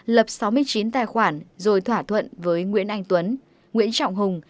lập sáu mươi chín tài khoản rồi thỏa thuận với nguyễn anh tuấn nguyễn trọng hùng